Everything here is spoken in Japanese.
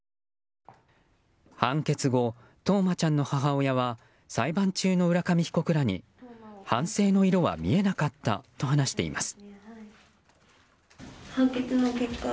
判決後、冬生ちゃんの母親は裁判中の浦上被告らに反省の色は見えなかったと話しています。